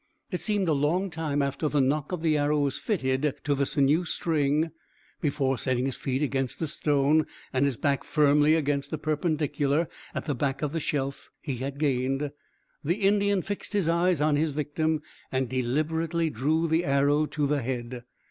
It seemed a long time after the nock of the arrow was fitted to the sinew string before, setting his feet against a stone and his back firmly against the perpendicular at the back of the shelf he had gained, the Indian fixed his eyes on his victim and deliberately drew the arrow to the head.